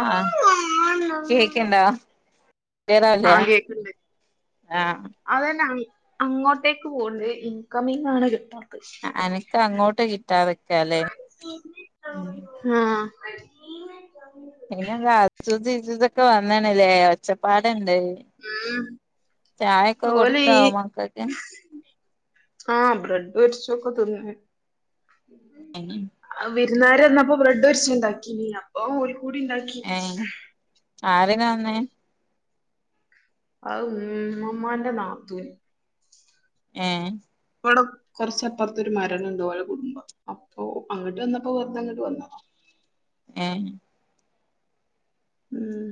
ആ കേക്ക് ണ്ടാ ആ കേക്ക്ണ്ട് ആഹ് അതന്നെ അങ്ങോട്ടേക്ക് പോവ്ണ്ട് ഇൻകമിങ് ആണ് കിട്ടാ അനക്ക് അങ്ങോട്ട് കിട്ടാതെക്കാല്ലേ ഉം ആ [unintelligible] പിന്നെന്താ അചൂസ് ഇചൂ സെക്കെ വന്ന്ണ്ല്ലേ ഒച്ചപ്പാട് ടൻ ഉം ചായൊക്കെ കൊടുതൊ മക്കക്ക് ആ ബ്രെഡ് പെരിച്ചൊക്കെ തിന്ന് വിര്ന്നാര് വന്നപ്പോ ബ്രെഡൊര്ച്ച ണ്ടാക്കീ നീ അപ്പൊ ഓൽ കൂടി ഇണ്ടാക്കി ആരെ നു വന്നേ അഅ് ഉ മ്മമാന്റെ നാത്തുന് ഏ മ്പടം കുർച്ചപ്പർത് ഒരു മരണംണ്ട്ഓലെ കുടുംബം അപ്പൊ അങ്ങട്ട് വന്നപ്പോ വെർതെ ഇങ്ങട്ട് വന്നതാ ഏ ഉം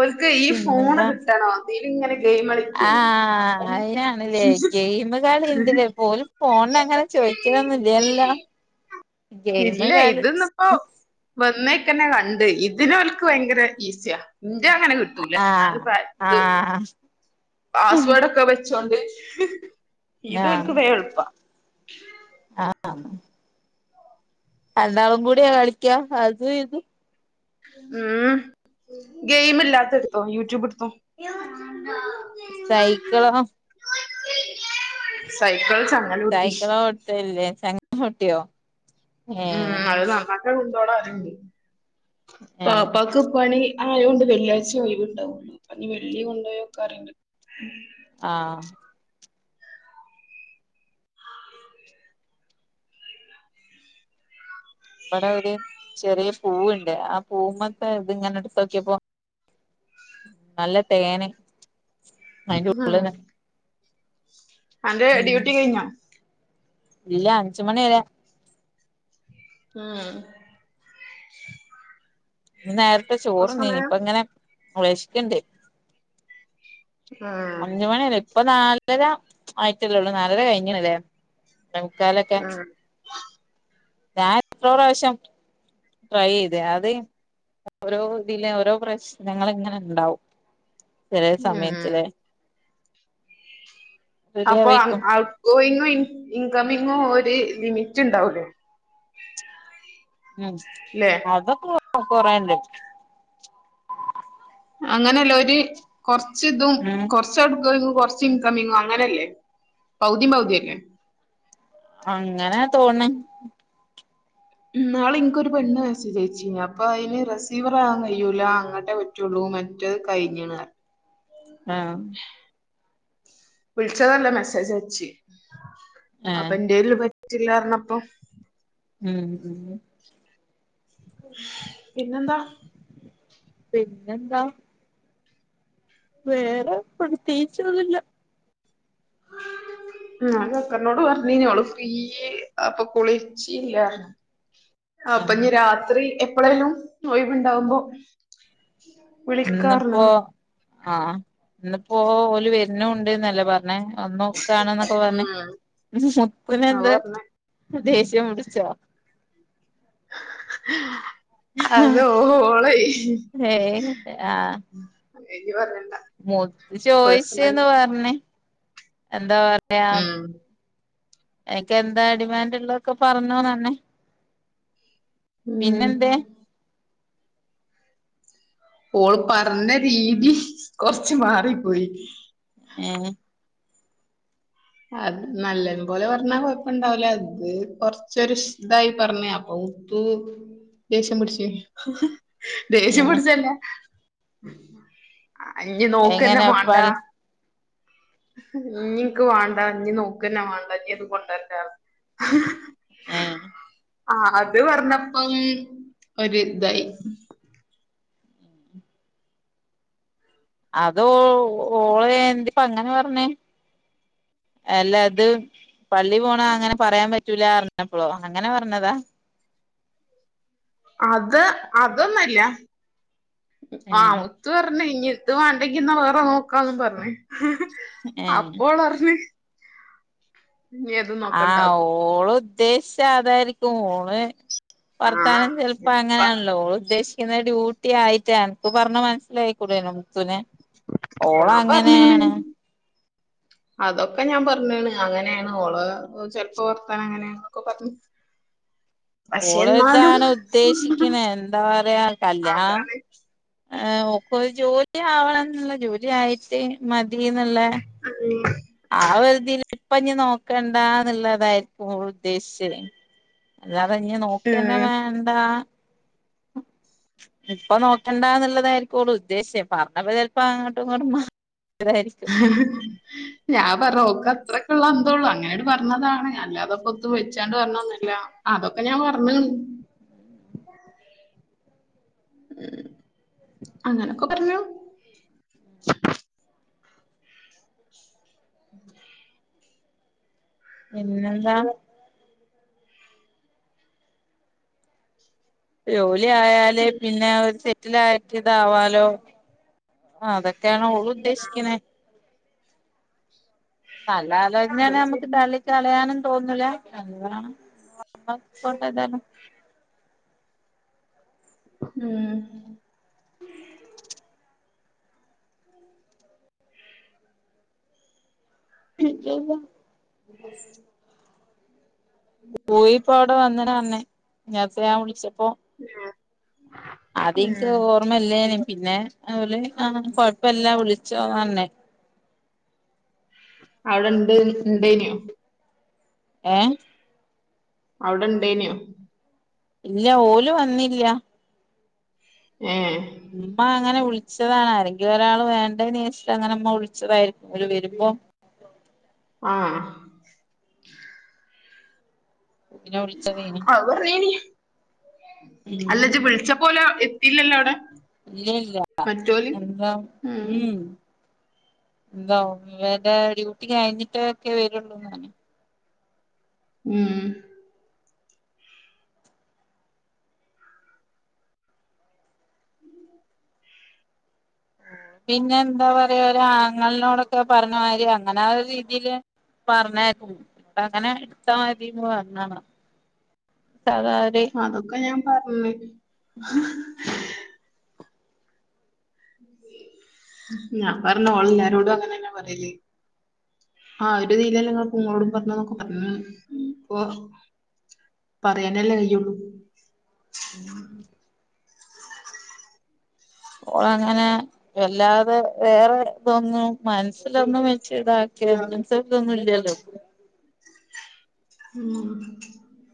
ഒൽക്ക് ഈ ഫോണ് കിട്ടണം അതില് ഇങ്ങനെ ആ അയിനാണ്ല്ലേ ഗെയിമ് കളി ഇണ്ട്ല്ലേ പോല് ഫോൺന് അങ്ങനെ ചോയിച്ചലെന്നും ഇല്ല ല്ലോ ഇല്ല ഇത് ന്ന്പ്പോ വന്നേ ൽ ക്കന്നെ കണ്ട് ഇതിനോൽക്ക് ഭയങ്കര ഈസിയാ ഇന്റെ അങ്ങനെ കിട്ടൂല ഞാന് ആഹ് പ്പ ത് ആഹ് പാസ്സ്‌വേർഡ്‌ ഒക്കെ വെച്ചോണ്ട് ഇത് ഓൽക്ക് വെ എൾപ്പാ ആ രണ്ടാളും കൂടിയാ കളിക്കാ അജും ഇ ജും ഉം സൈക്കിളോ സൈക്ക്ൾ സൈക്ക്ളോട്ടേല്ലേ ചങ്ങ പൊ ട്ടിയോ ഉം അഹ്‌ നന്നാക്കാൻ കൊണ്ടോണം റീണ്ട് ഏ ബാപ്പാക്ക് പണി ആ ഒഴ് വ്ണ്ട് വെള്ളാഴ് ച്ച ഒഴിവ്ണ്ടാ വൊള്ളു അപ്പൊ ഞ്ഞ് വെള്ളി കൊണ്ടോയോക്ക അറിണ്ട് ആ ഇവടെ ഒര് ചെറിയ പൂവ്ണ്ട് ആപൂവ്മ്മത്തെ ഇത്ങ്ങനെ ഇട്തൊക്കിയപ്പോ നല്ല തേന് അതിന്റെ ഹാ ഉള്ളിന്ന് അന്റെ ഉം ഡ്യൂട്ടി കഴിഞ്ഞോ ഇല്ല അഞ്ചുമണി വരെ ആ ഇന്ന് നേരത്തെ ഇപ്പൊ ചോറ് ന്നീ സമയം നിഇപ്പ ങ്ങനെ വെശക്ക്ണ്ട് ഉം അഞ്ച് മണി വരെ ഇപ്പം നാലര ആയിട്ടല്ലെള്ളൂ നാലര കഴിഞ്ഞ്ണ്ല്ലേ [unintelligible] ലൊക്കെ ഞാൻ എത്ര പ്രാവശ്യം ട്രൈ ചെയ്ത് അത് ഓരോ ഇതില് ഓരോ പ്രശ്നങ്ങള് ഇങ്ങനെ ഇണ്ടാവും ചെലെ ഉം സമയത്ത് ഉം ലെ അപ്പൊ ഔട്ട്ഗോയിങ് ഇൻകമിങ്ങു ഒര് ലിമിറ്റ് ണ്ടാവുലേ ഉം അദൊക്കെ കൊറേണ്ട് അങ്ങനെല്ല ഒര് കൊറച്ച് ദും ഉം കൊറച്ച് അഹ്ട്ക്ക ലും കുറച്ച് ഇൻകമിങ്ങോ അങ്ങനെല്ലേ പൗതിം പൗതിം അല്ലേ അങ്ങനെ തോണ് ! ! ! ! ! ! ! ! ! ! ! ! ! ! ! ! ! ! ! ആഹ് വിള്ച്ചതല്ല മെസ്സേജ് അയച്ച് അപ്പ ഏഹ് എന്റെല് പ പറ്റില്ലാർന്നപ്പോ ഉം ഉം പിന്നെന്താ? പിന്നെന്താ? വേറെ പ്രത്യേകിച്ച് ഒന്നുല്ല [inaudible] ഞാൻ കക്കറിനോട് പറഞ്ഞിനു അവള് ഫ്രീയ് അപ്പ കുളിച്ചില്ല പറഞ്ഞ് അപ്പ ആഹ് ഇഞ്ഞി രാത്രി എപ്പളെലും ഒഴിവുണ്ടാവുമ്പോ ഇന്നിപ്പോ വിളിക്കാർഞ്ഞ്ണ്. ആഹ് ഇന്ന്പ്പോ ഓല് വര്നുംണ്ട്ന്നല്ലെ പറഞ്ഞേ വന്ന്നിക്കാണ് എന്നൊക്കെ പറഞ്ഞെ ഉം മുത്തുന് അത് എന്താ പറഞ്ഞ് ദേഷ്യം പ്ടിച്ചോ [inaudible] അതോ ഓളയ് ഏയ് ആഹ് യ്യ് പറഞ്ഞ മുത്ത് ചോയിച്ച്ന്ന് പറഞ്ഞ് എന്താ പറയാ ഉം എനിക്ക് എന്താ ഡിമാൻഡ് ഉള്ളതൊക്കെ പറഞ്ഞോന്ന് പറഞ്ഞ് ഉം പിന്നെന്തെ ഓള് പറഞ്ഞ രീതി കൊറച്ച് മാറിപ്പോയി ഏഹ് അത് നല്ലത് പോലെ പറഞ്ഞാ കൊഴപ്പണ്ടാവൂല ദ് കൊറച്ചൊരു ഷ് ഇതായി പറഞ്ഞ് അപ്പൊ മുത്തു ദേഷ്യം പിടിച്ച് ദേഷ്യം ഏഹ് പിടിച്ചഅല്ല യ്യ് നോക്കന്നെ എങ്ങനെ മാണ്ട പൽ ഞ്ഞിൻക്ക് വാ ണ്ടാ ഞ്ഞി നോക്കന്നെ വാണ്ട ഞ്ഞി ഇത് കൊണ്ട് ര്ണ്ടാ റഞ്ഞു ഏ ആ അത് പറഞ്ഞപ്പം ഒര് ഇദായി അത് ഓ ഓളെ എന്തിപ്പ അങ്ങനെ പറഞ്ഞേ അല്ല അദ് പള്ളി പോണ അങ്ങനെ പറയാൻ പറ്റൂല റഞ്ഞപ്പളോ അങ്ങനെ പറഞ്ഞതാ അദ് അദൊന്നല്ല ആ ഏ മുത്തു പറഞ്ഞി ഇത് വാണ്ടങ്കി ന്ന വേറെ നോക്കാംന്ന് പറഞ്ഞ് ഏ അപ്പോ ഓള് പറഞ്ഞ് ഇനി ഏതും ആഹ് നോക്കണ്ടാന്ന് ഓള് ഉദ്ദേശിച്ച അതായിരിക്കും ഓള് ആഹ് വർത്താനം ചെലപ്പോ അങ്ങനാണല്ലോ ഓള് ഉദ്ദേശി ക്കുന്ന ഡ്യൂട്ടി ആയിട്ടാ അനക്ക് പറഞ്ഞ് മനസ്സിലാക്കിക്കൂടായിന്നോ മുത്തുനെ ഓള് അങ്ങനെണ് [inaudible] അദൊക്കെ ഞാൻ പറഞ്ഞ്ണ് അങ്ങനെയാണ് ഓള് ചെലപ്പ വർത്താനം അങ്ങനെക്കെ പറഞ്ഞ് [inaudible] ഓള് ഇതാണ് ഉദ്ദേശിക്ക്ണെ എന്താ പറയാ കല്യാണം അതാണ് ഓക്ക് ഒര് ജോലി ആവണം എന്ന്ള്ള ജോലി ആയിട്ട് മതിന്ന്ള്ള ആ ഒര്തില് പ്പഞ്ഞി നോക്കണ്ടാന്നള്ളതാരിക്കും ഓള് ഉദ്ദേശിച്ചത് [inaudible] അല്ലാതെ ഇഞ്ഞി നോക്കന്നെ വേണ്ടാ [inaudible] ഇപ്പൊ നോക്കണ്ടന്നുള്ളതായിരിക്കും ഓൾ ഉദ്ദേശിച്ചേ പറഞ്ഞത് ചിലപ്പോ അങ്ങോട്ടും ഇങ്ങോട്ടും മാറി ഹ് ഹ് ഹ് ഞാൻ പറഞ്ഞ് ഓക്ക് അത്രക്ക് ഉള്ള അന്ത അന്തം ഉള്ളു അങ്ങനെട്ട്- പറഞ്ഞതാണ്, അല്ലാതൊക്കെ ഒത്തും വെച്ചാണ്ട് പറഞ്ഞന്നുമല്ല, അതൊക്കെ ഞാൻ പറഞ്ഞണ്. [unintelligible] ഉം അങ്ങനൊക്കെ പറഞ്ഞു. [unintelligible] പിന്നെന്താണ്. ജോലി ആയാൽ പിന്നെ ഒരു സെറ്റില ആയിട്ട് ഇതാവാലോ. ആ... അതൊക്കെയാണ് ഓള് ഉദ്ദേശിക്കണേ. നല്ല ആലോചനേ അതും നമുക്ക്- ശരി തള്ളിക്കളയാനും- തോന്നനുലാ [unintelligible] അക്കൗണ്ടായാലും. ഉം.. ! നോക്കി നോക്കാ. പോയിപ്പോ അവിടെ വന്നന വന്നേ, നേരത്തെ ഞാൻ വിളിച്ചപ്പോ- ആഹാ... ! അതെനിക്ക് ഓർമ്മല്ലേന്. പിന്നെ അതുപോലെ ആ കൊഴപ്പല്ലാ വിളിച്ചോ പറഞ്ഞെ. അവിടെ ഇണ്ട് ഉണ്ടേ നോ? ഏഹ... ! അവിടെ ഇണ്ടേനോ? ഇല്ല ഓലും വന്നില്ല. ഏഹ്.. ! ഉമ്മ അങ്ങനെ വിളിച്ചതാണ് ആരെങ്കിൽ ഒരാൾ വേണ്ടേന്ന്- വിചാരിച്ചിട്ട് അങ്ങനെ ഉമ്മ - വിളിച്ചതായിരിക്കുംഒര് വരുമ്പോ. ആഹ... ! പിന്നെ വിളിച്ചതേനി ആ പറായിൻല്ല, അല്ല ഉം ജ്ജ് വിളിച്ചപ്പോ ഓല്- ഇല്ലല്ലോടെ? ഇല്ല.. ഇല്ല... എന്താ... ഉം.. ! എന്താ ഹോമിയോ ന്റെ ഡ്യൂട്ടി കഴിഞ്ഞിട്ടഒക്കെ വരുള്ളൂന്ന് പറഞ്ഞു. ഉം.. ! ഓ... പിന്നെ എന്താ പറയാ ഒരു- ആങ്ങളനോടൊക്കെ പറഞ്ഞ മാതിരി, അങ്ങനെ ആ ഒരു- രീതിയില്. പറഞ്ഞാരുന്നു, ഇപ്പ അങ്ങനെ എടുത്താ മതി പറഞ്ഞാളാ. [unintelligible] അതൊക്കെ ഞാൻ പറഞ്ഞു.. ! ഞാൻ പറഞ്ഞു ഓളല്ലാരോടും അങ്ങനെ തന്നെ പറയല്. ആഹ ഒരുതില്ല നിങ്ങങ്ങളോടും പറഞ്ഞുന്നൊക്കെ പറഞ്ഞണ് ഇപ്പോ. പറയാനല്ലേ കയ്യുള്ളൂ. [unintelligible] ഓള അങ്ങനെ വല്ലാതെ വേറെ തോന്നും മനസ്സിലൊന്നും വെച്ച് ഇ- ത്തൊന്നും ഇല്ലല്ലോ? ഉം [unintelligible] [unintelligible] [unintelligible]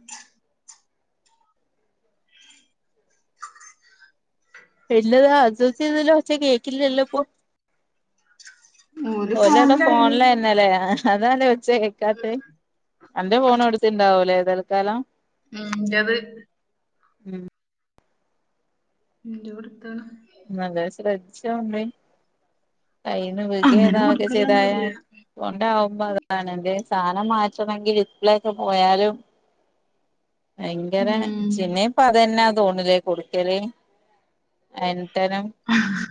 [unintelligible] [inaudible] ഓല് ഓലട ഫോണിലായിന് ഫോണിലന്നല്ലേ. അതാല്ലേ ഉച്ച കേക്കാത്തെ അന്റെ ഫോൺ കൊടുത്തിണ്ടാവൂലേ- താൽക്കാലം. ഉം.. ന്റത്. ഉം.. ! ന്റോഡ്. നല്ല ശ്രദ്ധി ചോണ്. കൈ ന്ന് വിഗ അങ്ങനെ ഏതാക്കെ ചെയ്തായ കൊടുക്കലൊന്നുല്ല കൊണ്ടാവുമ്പോ [unintelligible] സ്ഥാനം മാറ്റണെങ്കിൽ ഇപ്പോഴെക്കെ പോയാലും- ഭയങ്കര ഉം ചിന്നെ ഇപ്പ അതന്നാ തോന്നലേ കൊടുക്കല് അതന്നെ. ആ ആ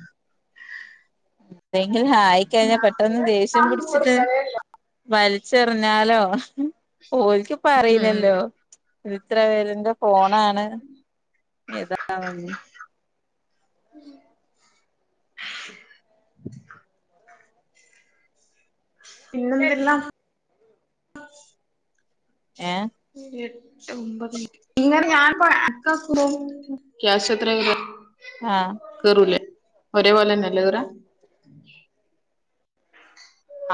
എന്തെങ്കിലും ആയിക്കഴിഞ്ഞാ- പെട്ടെന്ന് ദേഷ്യം ഉം പിടിച്ചിട്ട്. വൽച്ചെർഞ്ഞാലോ ഓൽക്ക് പ്പൊ അറീലല്ലൊ ഇത്ര വെലൻ്റെ ഫോണാണ്. ഏതാ [unintelligible] ഉ [inaudible] പിന്നെന്തെല്ലാ? ഏ എട്ട്, ഒമ്പത് [unintelligible] ഇങ്ങനെ ഞാനിപ്പൊ [unintelligible] ക്യാശ് എത്രേ വെരാ? ആഹ് കേറൂല്ലേ. ഒരേ പോലന്നെല്ല കേറാ?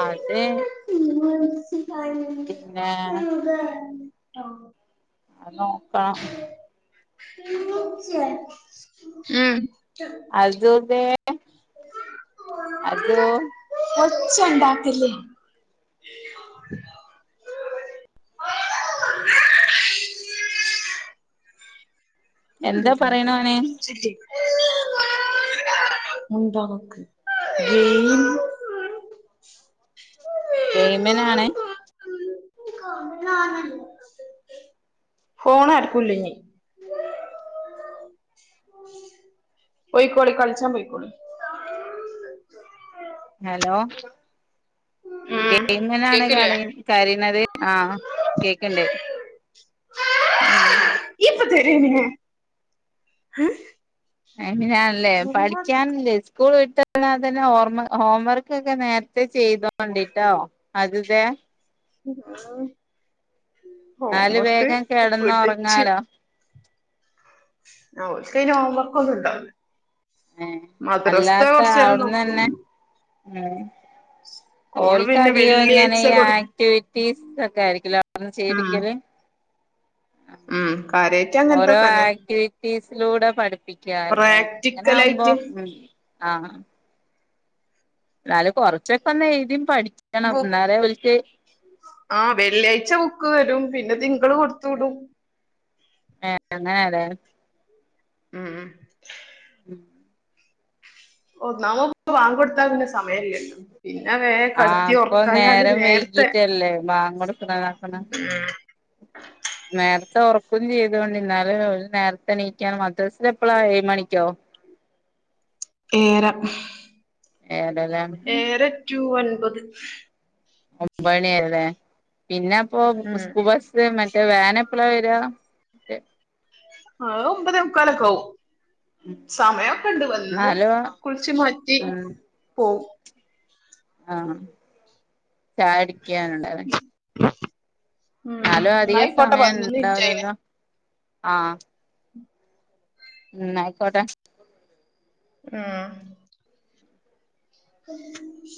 അതെ പിന്നേ ട്ടോ നോക്കാം ഉം അദൂതേ അജോ ഒച്ചണ്ടാക്കല്ലേ. [inaudible] ഊൻ്റെ എന്താ റബ്ബേ പറയണോന് മുണ്ടാനിക്ക് [unintelligible] ഏ യ്യോ ഗെയിമിനാണ് നാന ഫോണ് എടുക്കൂല്ല ഇനി പോയിക്കോളി കളിച്ചാൻ പോയിക്കോളി ഹലോ ഉം ഗെയിംനാണ് കേക്കില്ലേ കളി കരിണത്? ആ കേക്ക്ണ്ട്. ഇപ്പൊ തരും യെമിനെ അഹ് അഹ് പിന്നെഞാൻല്ലേ പഠിക്കാൻല്ലേ സ്കൂൾവിട്ടത് [unintelligible] അതല്ലാംഓർമ ഹോംവർക്ക് ഒക്കെ നേരത്തെ ചെയ്തോണ്ടിട്ടോ അത് ദേ എന്നാല് ഹോംവർക്ക് വേഗം പിടിച്ച് കിടന്നുറങ്ങാലോ ആ ഓൽക്കയ്ന് ഹോംവർക്കൊന്നുണ്ടാവൂ ഏഹ് മദ്രസ്ത്തെ അല്ലാത്ത അവിടുന്ന് കൊറ്ച്ചേരംനോക്കും. തന്നെ ഉം ഓൽക്ക് പിന്നെ അധികം ഇങ്ങനെ വെള്ളിയാഴ്ച ഈ കൊടു ആക്ടിവിറ്റീസ് സൊക്കെ ആയിരിക്ക് ലെ ഉം ചെയ്പ്പിക്കല്. ഉം കാര്യായിട്ട് ഓരോ അങ്ങനത്തൊക്കെന്നെ ആക്ടിവിറ്റീസ് ലൂടെ പഠിപ്പിക്കാൽലെ അങ്ങനെ ആവ്മ്പോ പ്രാക്ടിക്കലായിട്ട് ഉം ആ ന്നാല് കൊറച്ചൊക്കൊന്ന് എഴുതി പഠിക്ക ബുക്ക് ആ വെള്ളിയാഴ്ച ബുക്ക് വരും. പിന്നെ തിങ്ക് ള് കൊടുത്തൂടും. [unintelligible] ണെ അതെ ഉം ഉം ഉ [inaudible] ഒന്നാമത് പ്പൊ വാങ്കെട്ത്താൽ പിന്നെ സ് സമയില്യ. പിന്നെ വേഗം ആഹ് കട്ത്തി ഇപ്പൊ ഉറക്കഞ്ഞാല് നേരം നേരത്തെ വൈകീട്ടല്ലേ ഉം മേ തോ ഒർക്കും ചെയ്തൊണ്ടി. ഇന്നാ ല് ഓല് നേരത്തെണീക്കൻ മദ്രസ് എപ്പളാ ഏഴ് മണിക്കോ? ഏഴര. ഏഴരല്ലേ ഏഴര ടു ഒൻപത് ഒമ്പേണി വരെലെ. പിന്നെ അപ്പോ ഉം സ്കൂൾബസ് മറ്റ് റ്റ വേനഎപ്പളാ വരാ ആ ഒമ്പത് മുക്കാലൊക്കെ ആവും. സമയൊക്കെണ്ട്. വന്ന് എന്നാലും കുളിച്ചു മാറ്റി ഉം പോവും. ആഹ് ചായടിക്കാനുണ്ട ഉം ന്നായിക്കോട്ടെ സമയം പതിനൊന്ന് മിൻറ്റായിനെ ഉണ്ടാവില്ലല്ലോ ആഹ് ഉം ന്നായ്ക്കോട്ടെ ആഹ് [inaudible]